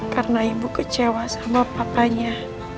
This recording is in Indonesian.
karena ibu kecewa sama papanya